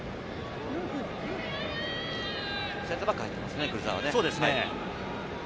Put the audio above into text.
センターバックに入ってますね、クルザワは。